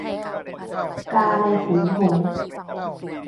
กาในฝูงหงส์